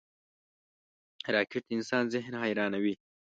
راکټ د انسان ذهن حیرانوي